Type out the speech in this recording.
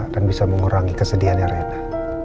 dan bisa mengurangi kesedihannya reina